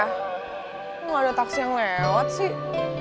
kok gak ada taksi yang lewat sih